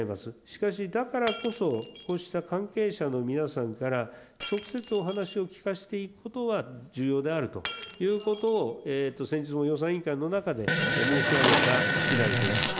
しかし、だからこそ、こうした関係者の皆さんから、直接お話を聞かせていただくことは重要であるということを先日も予算委員会の中で申し上げたしだいです。